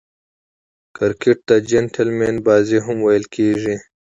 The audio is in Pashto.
کرکټ ته "جېنټلمن بازي" هم ویل کیږي.